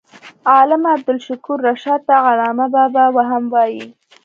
علامه عبدالشکور رشاد ته علامه بابا هم وايي.